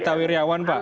gita wirjawan pak bukan